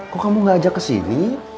kok kamu gak ajak ke sini